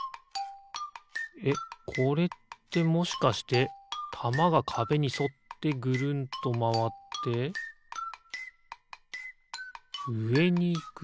えっこれってもしかしてたまがかべにそってぐるんとまわってうえにいく？